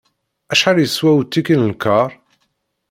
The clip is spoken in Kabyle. Acḥal yeswa utiki n lkar?